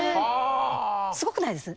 すごくないです？